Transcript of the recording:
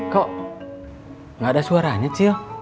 kok gak ada suaranya cil